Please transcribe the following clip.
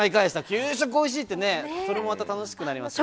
給食おいしいってね、それもまた楽しくなりますよね。